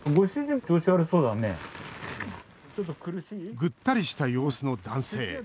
ぐったりした様子の男性。